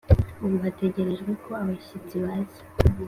ubu hategerejwe ko abashyitsi baza.